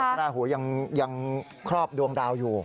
พระราหูยังครอบดวงดาวอยู่